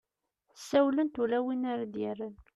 ssawlent ula win ara ad-yerren